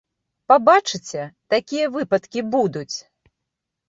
Пабачыце, такія выпадкі будуць!